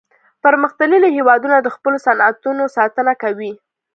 پرمختللي هیوادونه د خپلو صنعتونو ساتنه کوي